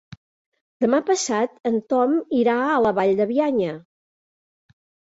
Demà passat en Tom irà a la Vall de Bianya.